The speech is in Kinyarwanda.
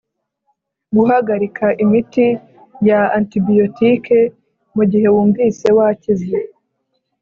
guhagarika imiti ya antibiyotike mu gihe wumvise wakize